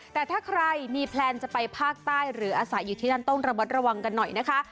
แต่ถ้าใครมีแพลนจะไปภาคใต้หรืออาศัยอยู่ที่นั่นต้องระมัดระวังกันหน่อยนะคะ